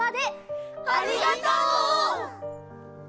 ありがとう！